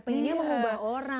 pengennya mengubah orang